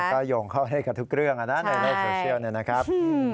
ก็หยงเข้าในกับทุกเรื่องนะนะโลกโซเชียลคือนะครับ